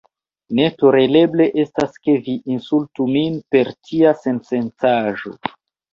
“Ne tolereble estas ke vi insultu min per tia sensencaĵo.”